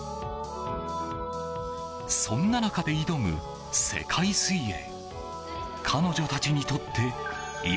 そんな中で挑む、世界水泳。